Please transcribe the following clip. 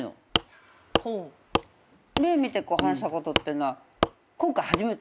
目見て話したことっていうのは今回初めてですよ。